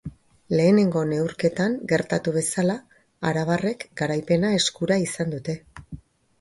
Lehenengo neurketan gertatu bezala, arabarrek garaipena eskura izan dute.